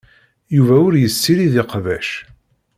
Yuba ur yessirid iqbac.